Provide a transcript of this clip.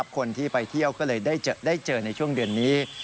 คนที่ไปเที่ยวก็เลยได้เจอในช่วงเดือนนี้